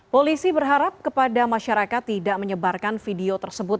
polisi berharap kepada masyarakat tidak menyebarkan video tersebut